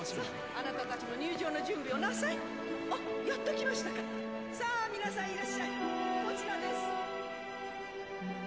あなた達も入場の準備をなさいあっやっと来ましたかさあ皆さんいらっしゃいこちらです